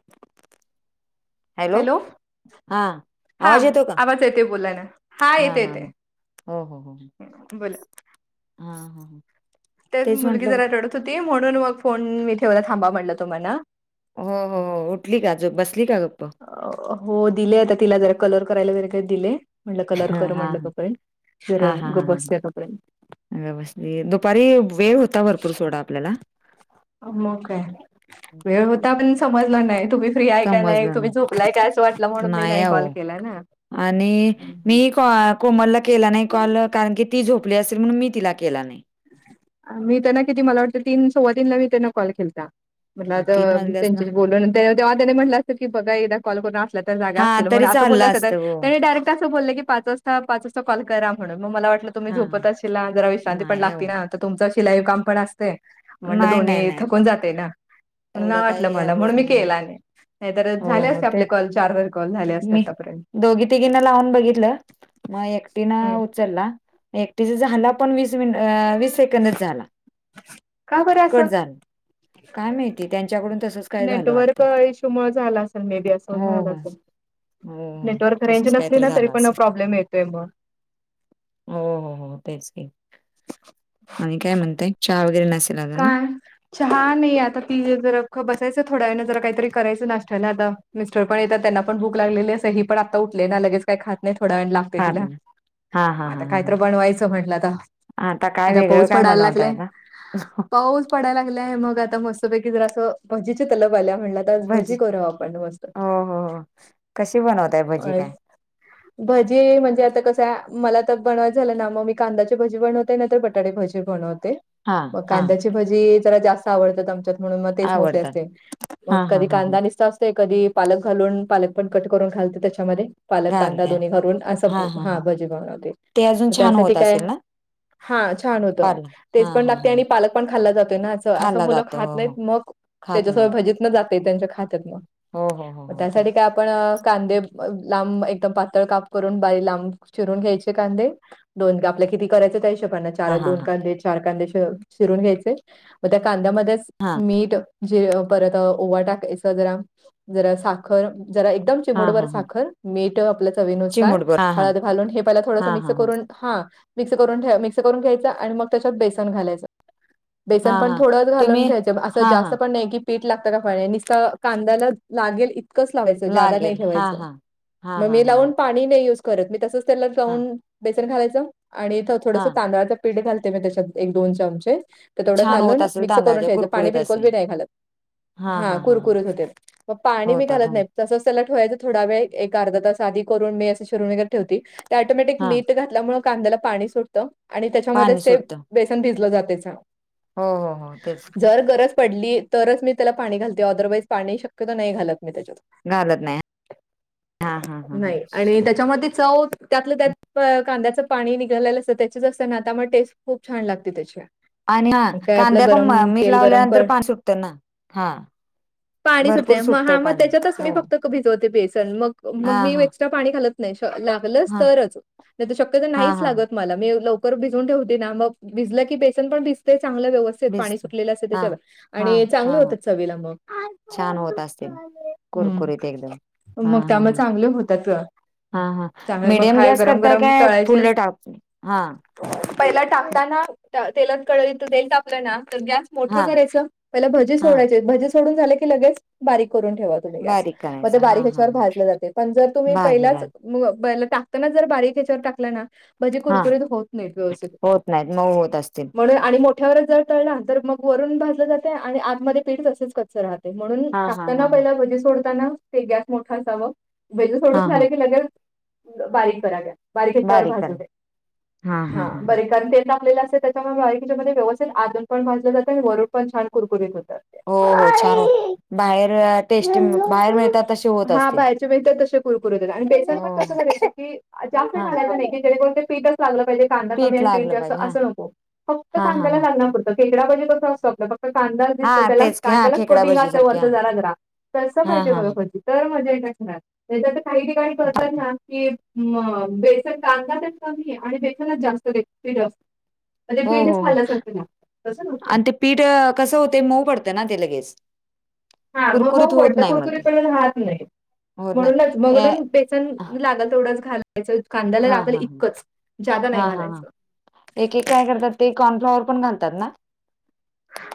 [inaudible] Hello, हा हा आवाज येतो का? आवाज येते बोलाय ना. हा येते येते. ह बोला, हम हा ह. तेच मुलगी जरा रडत होती. म्हणून मग फोन मी ठेवला. थांबा म्हणटलं तूम्हणा. हो हो हो उठली का. जो बसली का गप्प. हो दिले आता तिला जरा कलर करायला वैगरे दिले. म्हटलं कलर हा कर हा म्हटलं हा तोपर्यंत हा हा गप हा हा बसल्या तोपर्यंत. व्यवस्थित दुपारी वेळ होता. भरपूर सोडा आपल्याला, हो काय वेळ होता. पण समजलं नाही तुम्ही फ्री आहे का नाही. तुम्ही झोपलाय का असं वाटलं म्हणून मी नाही कॉल केला ना. आणि मी कोमलला केला नाही कॉल. कारण की ती झोपली असेल म्हणून मी तिला केला नाही. मी त्यांना किती मला वाटतं. तीन, सव्वा तीनला मी त्यांना कॉल केलता. म्हटल मग आता तीन वाजल्यास ना त्यांच्या बोलून तेव्हा त्याने म्हटलं असतं की बघा एकदा कॉल करून असल्या तर जागा हा अस चालेल तरी म्हणून असं बोल्या चाललं असत्या तर असतं हो त्यांनी डायरेक्ट असं बोललं की पाच वाज ता. पाच वाजता कॉल करा. म्हणून, मग मला वाटलं तुम्ही हा झोपत आशिला. जरा विश्रांती नाही हो आता तुमच शिलाई काम पण असते. म्हटलं नाही नाही दोन्ही नाही थकून जाते ना. म्हणून नाही एवढं काही वाटलं हे मला म्हणून होत मी केला नाही. नाही तर हो झाले हो असते. तेच आपले कॉल चार वेळा कॉल झाले असते मी आतापर्यंत. दोघी तिघींना लावून बघितलं मग एकटी ना उचलला. एकटीचा झाला पण वीस मि वीस सेकंदच झाला. का बरं कट असं. झाला काय माहिती त्यांच्याकडून तसच काय झालं वाटत. नेटवर्क इश्यू मुळे झाला असेल मे बी असं हो झालं हो. असेल. [inaudible] नेटवर्क रेंज तसच नसली काहीतरी ना. तरी झालं पण असेल प्रॉब्लेम येतोय मग. हो हो हो तेच आणि काय म्हणते? चहा वगैरे नसेल आजुन? काय. चहा नाही आता ती जरा बसायचं थोड्या वेळान जरा काहीतरी करायचं नाश्त्याला आता. मिस्टर पणं येतांत त्यांना पणं भूकं लागलेली आहे असी पणं आतां उठले नां लगेचं कायं खातं नाहीं थोडां वेळांण लागते हा तिलां हा हा हा आत हा कायतंर हा बनवायचं म्हंलंता आतां पाऊस पडायंला लागलायं ह [unintelligible] पाऊस पडालां लागंला आहे मंग आतां मस्तंपैकी जरां असं भजीचे तलबं आल्यां म्हणलां भजी हो हो हो कशी बनवतांय भजी कायं भजी म्हणजे आतां कसं मलां तरं बनवायंच झालं तरं नां मंग मी कांद्याची भजी बनवते नाहीं तरं बटाटे भजी मी बणवंते हां हां ती भजी ज्यां जास्तं आवडतांत आमच्यांत म्हणूंन मंग तेचं मोजले आवडतात असते मंग हा हा कधी हा हा कांदा निसतांस ते कधीं पालक घालूंन पालक पणं कंट करूंन घालते त्यांच्यामध्यें पालक कांदा घालत्या दोन्ही करूंन असं हा हा हां भजी बनवते ते अजून छान त्यांसाठी होत असेल कायं ना हां छान होतं पाला हा टेस्तं पणं हा लागतांत ते हा आणि पालक पणं खांल्ला जातो नां असं असं खाल्ला मुलं जातो खांत हो हो नाहीत मंग खात नाही त्यांच्यासोबत भजीतनं जाते त्यांच्या खातं हो हो हो हो ते त्यांसाठी कायं पणं कांदे लांब एकदंम पांतळ कांप करूंन बारीक लांब चिरूंन घ्यांयचे कांदे दोन आपल्यां किती करायचं त्यां हिशोबाने हा चार हा दोन हा कांदे चार कांदे चिरून घ्यांयचे मंग त्यां हा कांद्यामध्येचं मीठ जीरे परंत ओवां टाकायचं जरां जरां सांखर जरां एकदंम हा चिमूट भर हा हा सांखर मीठ आपल्यां चवीनुसार चिमूट बर हा हा हळंद घालूंन हे हा थोडंसं हा मिक्सं हा करूंन हां मिक्सं करूंन ठे मिक्सं करूंन घ्यांयचा आणि मंग त्यांच्यांत बेसन घालायचं हा बेसन पणं हा थोडं घालूंन तुम्ही ठेयचं असं हा जास्तं हा पणं नाहीं कि पीठ लागतं कां फक्तं कांद्याला लागेलं इतकं पि इतकं चं धावायचं जादां नाहीं लागेल हा ठेवायचं हा हा हा मी हा लावून हा पाणी मी नाही युज करतं तसंच तेलातं हा लाऊन बेसन घालायचं आणि हा थोडंसं तांदळांच पिठं पीठं घालते कां त्यांच्यात एक दोन चमचे तरं तेथोडं छान होत घालूंन असेल मिक्सं करूंन तांदळाच्या ठेयचं पाणी कुरकुरीत बिल्कुल असे बी नाहीं घालतं हा हां हा हा हा कुरकुरीतं होते मंग पाणी मी होतात घालतं हो नाहीं तसंच त्यांला ठेवायचं थोडां वेळं एक अर्धा तरं सांधी करूंन मी असं शरूंन वगैरें ठेवती ते टोमॅटिक हा मीठं घातल्या ल्यांमुळे कांद्याला पाणी सुटतं आणि त्यांच्यामध्ये पाणी चं ते सुटतं बेसन भिजलं जाते छान हो हो हो तेच जरं गरजं पडली तरचं मी त्यांला पाणी घालते अदरवाईजं पाणी शक्यंतो नाहीं घालतं मी त्यांच्यात घालत नाही हा हा हा हा नाहीं आणि त्यांच्यामध्ये चव त्यांतलं त्यांत कांद्याचं पाणी निघाललेलं असतं त्यांचेच असतं नां त्यांमुळे टेस्ट खूंप छान लागते त्यांची आणि हां कांद्या पणं मीठ गरम लावल्यांनंतर कर पाणी सुटतं नां हां पाणी सुटते मंग हां मंग त्यांच्यातच मी हो फक्तं भिजवते बेसन मंग हा मंग मी हा एक्स्ट्रां पाणी घालतं नाहीं लागलंच हा तरचं शक्यं तरं हा नाहींच हा लागतं मलां मी लव भिजूंन ठेवते नां मंग भिजल कीे बेसन पणं भिजते चांगला व्यवस्थितं पाणी बेसन सुटले असं हा त्यांच्या हा आणि चांगले हा हा होतं चवीलां मंग छान होत असतील कुरकुरीत एकदम हम्मं मंग त्यांमुळे चांगले होतांत हां हां मीडियंम गॅस करतांय कायं तळायचे फुलं टाकणे हां पहिला टांकता नां तेलातं कडई तेल तापलं नां तरं गॅस मोठं हा करायचं पहिला भजी हा सोडांयचे भजी सोडूंन झाले की लगेच बारीक करूंन ठेवायचं मंध्ये बारीक गॅस करायचा हा हा बारीच्यांवर हा भाजल्यां जाते पणं जरं तुम्हीं बर पहिल्याच बर मंग टाकतांना जरं बारीक ह्यांच्यावर टांकले नां भजी कुरकुरीत होतं नाहींत होतं नाहीतं मऊं होतं असतील म्हणूंन आणि मोठ्यांवरचं जरं तळंला तरं मंग वरूंन भाजलं जातंय आणि आतमंध्ये पीठ तसेच कच्च रहातं ते म्हणूंन हा हा हा टाकतांना हा पहिला भजी सोडतांना ते गॅस मोठं असावं भजे हा सोडून हा झाले की लगेच बारीक कराव्यां बारीक घेच्यांवर भाजू द्या हा बर कारण तेेत आपलेलं असेल बाकीच्यामध्ये व्यवस्ित आजून पण भाजलं जातं आणि वरुड पणछान कुरकुरीत होतात हो हो छान होत. तसे होत हा असतील बाहेचे ब तरर तसे पुरकुर हो आणि बेसन हो पण कस कराय. हे अ जास्त हा घालायचं नाही काय ते पिठच लाग पाहिजे कांदा कमी आणि पीठ लागलं जास्त पाहिजे हा अस नको फक्त हा हा कांद्याला हा लागण्यापूर्त खेकडा भाजी कस असतो आपला कांदा दिसतो हा त्यालाच तेच की हा कांद्यालाच खेकडा कोटिंग भजी अस सारखे वाटत हा जरा जरा तर हा पाहिजे हा बघा वरती तर मजा [inaudible] नाही तर काही ठिकाणी करतात हा. ना कि मग बेसन कांदा तर कमी आहे आणि बेखनाच जास्तते जास्त मग ते हो पीठच हो हो खाल्यसारखं लागतय तस नको आणि ते पीठ कसं होतय मऊ पडत ना ते लगेच हा मग कुरकुरीत मऊ होत पडतय नाही मग ते कुकुरीपना राहत नाही होत नाही म्हणूनच मग ए, बेसन हा लागल तेवढंच घालायचं कांद्याला हा लागल हा इतकंच जादा नाही घालायचं एकेक काय करतात ते कॉर्नफ्लॉवर पण घालतात ना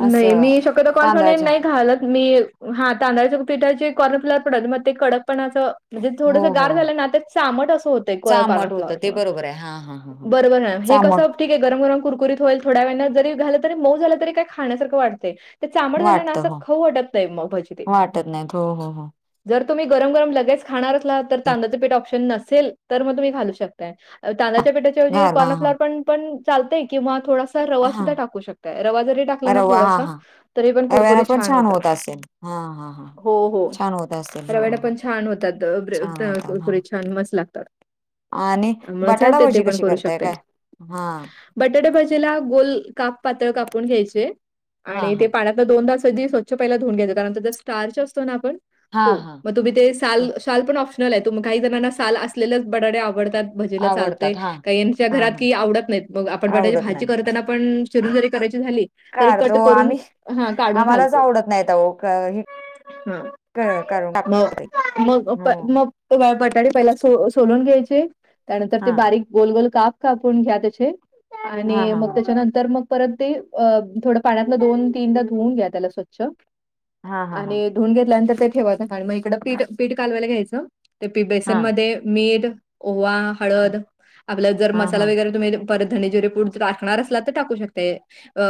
नाही असं मी शक्यतो कॉर्नफ्लॉवर तांदळाच्या नाही घालत मी हा तांदळाच्या पिठाची कॉर्नफ्लॉवर पडत मग ते कडकपणाचं म्हणजे हो थोडंसं हो गार हो झालं ना ते चामट असं होतय चामट होतं ते कॉर्नफ्लोअर बरोबर आहे हा हा ह [inaudible] ह बरोबर ना हे कसं चामट ठीक आहे गरम गरम करकुरीत होईल थोड्या वेळानं जरी झालं तरी मऊ झालं तरी काय खाण्यासारखं वाटतय ते चामट झालं ना वाटत असं हो खऊ वाटत नाही मग भजी ते वाटत नाहीत हो हो हो जर तुम्ही गरम गरम लगेच खाणार असला तर तांदळाचं पिठ ऑप्शन नसेल तर मग तुम्ही घालू शकताय हा तांदळाच्या पिठाची ऐवजी घाल हा हा कॉर्नफ्लॉर पण पण चालतय किंवा थोडासा रवा सुद्धा हा टाकू शकताय रवा जरी टाक टाकला रवा हा थोडासा हा तरी पण रव्यानं कुरकुरी पण छान होतात होत असेल हा हा हा हो हो छान होत असतील हा रव्ह्याने हा पण छान होतात छान होतात हा कुरकुरीत छान मस्त लागतात आणि त्यामुळे चालतंय ते बटाटाभजी पण कशी करू करताय शकताय. काय हा बटाटे भजीला गोल काप पातळ कापून घ्यायचे हा आणि हा ते पाण्यातला दोन तास आधी स्वच्छ पहिला धुऊून घ्यायचं कारण त्या स्टार्च असतो ना आपण तो हा हा तुम्ही ते तर साल साल पण ऑप्शनल आहे तुम काही जणांना साल असलेच बटाटे आवडतात भजीला चालतय आवडतात हा काहीच्या हा घरात हा की आवडत नाहीत मग आपण बटाय आवडत भाजी नाही करताना पण चिरून जरी करायची झाली तरी कट काढतो करून आम्ही हा काढून आम्हालाच घालतोय आवडत नाहीत अहो क हे हा क काढून टाकतो मग मग प हो मग त ग बटाटे पहिला स सोलून घ्यायचे त्यानंतर ते हा बारीक गोल-गोल काप कापून घ्या त्याचे हा आणि हा मग हा त्याच्यानंतर मग परत ते अ थोडं पाण्यात दोन-तीनदा धुवन घ्या त्याला स्वच्छ हा हा आणि धून घेतल्यानंतर ते ठेवाचं आणि मग इकडं पीठ पीठ कालवायला घ्यायचं ते बेसन हा मध्ये मीठ ओवा हा हळद आपला जर हा मसाला हा वगैरे तुम्ही परत धने जिरे पूड टाकणार असला तर टाकू शकते अ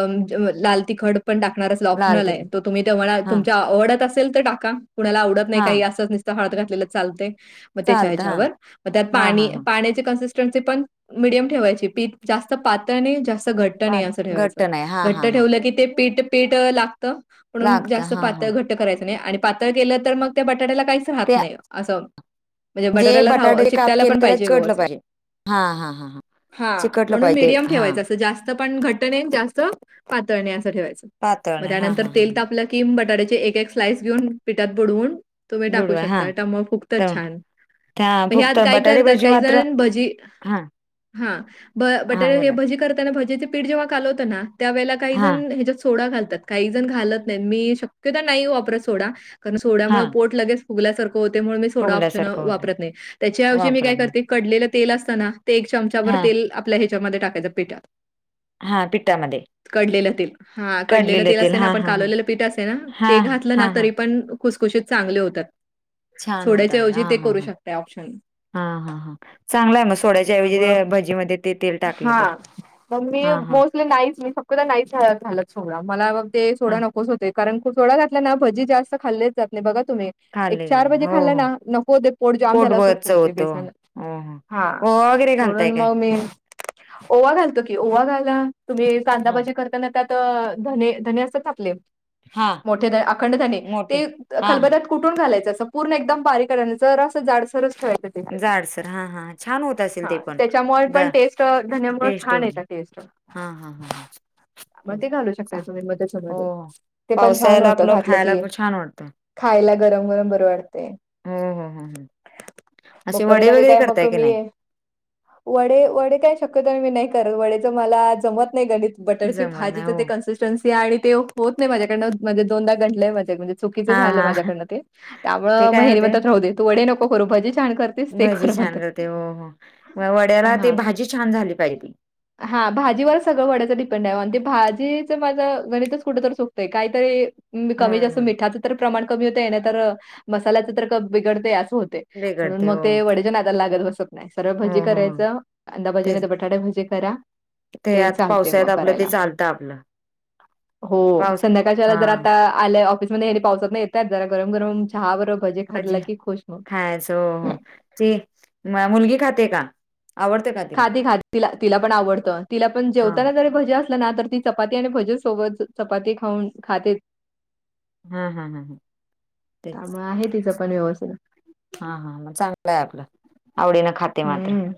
लाल तिखट पण टाकणार असला लाल ऑप्शनल आहे तिखट तुम्ही [inaudible] हा तुम्हाला आवडत असेल तर टाका कुणाला आवडत नाही हा काही असंच हळद घातलेल चालतय म तेच्या चालत हा हेच्यावर मग हा हा पाणी हा पाण्याची कन्सिस्टन्सी कन्सिस्टन्सी पण मीडियम ठेवायची ती जास्त पातळ नाही जास्त घट्ट नाही पाठ असं घट्ट ठेवायचं नाही हा हा हा लगेच ते पीठ-पीठ अ लागत म्हणुन लागत जास्त हा हा पातळ घट्ट करायच नाही आणि पातळ केलं तर मग त्या बटाट्याला काहीच राहत ते नाही अस म्हणजे जे बटाला रहाव बटाटे काप चिकायला केलं पण त्याला पाहिजे चिकटलं व्यवस्थित पाहिजे हा हा हा हा चिकटलं म्हणून पाहिजे मिडीयम हा ठेवायच अस जास्त पण घट्ट नाही जास्त पातळ नाही असं ठेवायच पातळ मग नाही हा त्यानंतर हा हा तेल तापल किम बटाट्याचे एक एक स्लाइस घेन पिठात बुडवून तुम्ही टाकू बुडवा हा शकता टमो फुक्तच दळून छान हा प हे फक्त आत काय बटाटे करतात भजी काही मात्र जण भजी हा हा ब हा बटाटे बोला भजी करताना भजीचे पीठ जेव्हा कालवतो ना त्या वेळेला काही हा जण हे सोडा घालतात काही जण घालत नाहीत मी शक्यतो नाही वापरत सोडा कारण हा सोड्यामुळे पोट लगेच [unintelligible] फुगल्यासारखं होते म्हणून मी सोडा ऑप्शन फुगल्यासारखं होतं वापरत नाही त्याच्याऐवजी मी वापरा काय ना करते कडलेलं तेल असताना ते एक चमचाभर हा तेल आपल्या ह्याच्यामध्ये टाकायचं पीठ हा पिठ्ठामध्ये [unintelligible] कडलेलं तेल हा कडलेलं तेल असे ना हा आपण हा हा कालवलेलं पीठ असे ना हा ते घातलं ना हा हा तरी पण खुसखुशीत चांगले होतात छान होत असं सोड्याच्याऐवजी हा ते हा करू हा शकत ऑप्शन हा हा हां चांगलाय मग सोड्याच्याऐवजी त्यामुळं ते भजी मध्ये ते तेल टाकले हा तर मग मी [unintelligible] मोस्टली नाहीईस मी स नाही झालं सोडा मला मग ते हा सोडा नकोच होते कारण सोडा घातल्या ना भजी जास्त [unintelligible] खाल्लेच जात बघ तुम्ही [unintelligible] एक खाल्ले जात चार वाजे हो खाल्ला हो ना नको होते पोट जाम झाल्यासारखं पोटभरच होते होतं बेसन हो हो हा हो वगैरे घालताय म्हणून काय मग मी [unintelligible] ओवा घालतो की ओवा घाला तुम्ही कांदा हा भाजा करता त्यात धने धने असतापले [unintelligible] हा मोठे अखंड झाणे ते मोठे हा हा खलबतात [unintelligible] कुठून घालायचं पूर्ण एकदम बारी करायं जरस जाडसरस ठेवायचं जाडसर हां हां हां. छान होत असेल ते हा पण त्याच्यामुळे द पण टेस्ट धन्यामु छान येतात टेस्ट [unintelligible] हा हा हा हा [unintelligible] मग ते घालू शकता तुम्ही हो मध्येमध्येध्ये हो ते पण छान पावसाळ्याला होतं आपलं घातलं खायला की पण छान वाटतं खायला गरम गरम बर वाटते हो हो हो हो [unintelligible] मग असे परत वडे आणि वगैरे काय मग करताय की तुम्ही नाही वडे वडे काय शक्यत मी नाही करत वडेचं मला जमत नाही गणित बटरची जमत नाही भाजीच हो ते कन्सिस्टन्सी आहे आणि ते होत नाही माझ्याकडनंणजे दोनदाहा घंटले आहे माझ्या म्हणजे चुकीचं हां झालं हां माझ्याकडन ते ते त्यामुळे काय मेहनी होते मणत राह दे तू वडे नको ख करू भजी छान करते भजी छान करते हो हो म वड्याला ते भाजी छान झाली पाहिजे हा भाजीवर [unintelligible] सगळं वड्याचं डिपेंड आहेण ते भाजीचं माझं गणितच कुठ तर सुकतंय काहीतरी कमी होय जसं होय मिठाचं तर प्रमाण कमी होत आहे ना तर मसाल्याचं तर बिघडते असं होत म्हणून बिघडते मग हो ते वडच्या नात्याला लागत बसत [unintelligible] नाही सर्व हो भजी हो हो. करायचं अंंदाभजी नाही तेच तर बटाटे भजी करा [unintelligible] ते आता चालते पावसाळ्यात मग आपलं ते करायला चालतं आपलं हो पाऊस संध्याकाळच्याला जर हां आता [unintelligible] आल्या ऑफिसमध्येध्ये हे पावसात न येतात जरा गरम गरम चहा बरब जी खायचं हो हो ते मुलगी खाते का आवडतें का [unintelligible] खाी खा त तिला पण आवडतं तिला पण हा जेवत ना तरी भज्या असलं ना तर ती चपाती आणि भजे सोबत चपाती खाऊन खाते हा हा ह तेच त्यामुळे आहे तिचं पण व्यवस्थित हा हा मग चांगलं आहे आपलं आवडीन खात [unintelligible] हम्म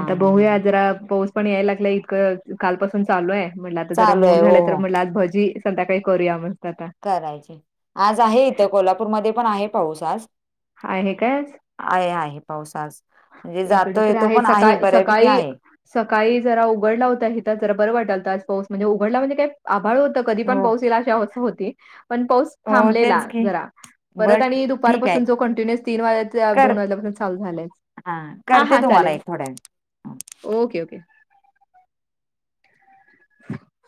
आता बहूया जरा पाऊस पण यायला लागला इतकं कालपसून चालू आहे म्हटलं आता जरा चालू आहे मूड हो झालंय तर हो म्हटलं आज भजी संध्याकाळी करूया मस्त आता करायचे आज आहे इथं कोल्हापूरमध्येध्ये पण आहे पाऊस आज आहे का [unintelligible] आहे आहे पावसात म्हणजे इकडे जातो तर येतो पण आहे सकाळ बऱ्यापैकी सकाळी आहे सकाळी जरा उघडला होता इथ जरा बरं वाटालं आज पाऊस म्हणजे उघडला म्हणजे काय आभाळ होत कधी पण हो पाऊस इल अशी अवस्था होती पण पाऊस हो थांबलेला तेच की जरा परत बट आणि ठीक आहे दुपारपासून जो कंटिन्युअस तीन वाज कर दोन वाजल्यापासून चालू झालाय च हा करते तुम्हाला एक थोड्या वेळात [unintelligible] ओके ओके [unintelligible] [unintelligible] [unintelligible]